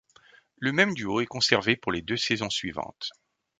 Le même duo est conservé pour les deux saisons suivantes.